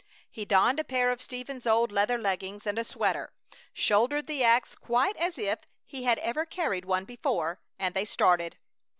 He donned a pair of Stephen's old leather leggings and a sweater, shouldered the ax quite as if he had ever carried one before, and they started.